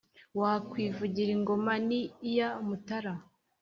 wakwivugira ingoma n'iya mutara